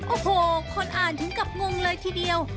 โอ้โหคนอ่านถึงกับงงเลยทีเดียว